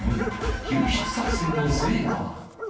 救出作戦の成果は。